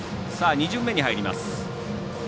２巡目に入ります。